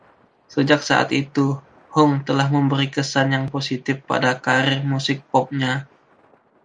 Sejak saat itu, Hung telah memberi kesan yang positif pada karier musik pop-nya.